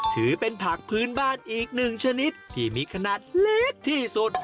ถือเป็นผักพื้นบ้านอีกหนึ่งชนิดที่มีขนาดเล็กที่สุด